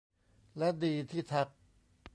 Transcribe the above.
และดีที่ทัก